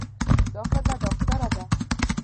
دا ښځه ډاکټره ده.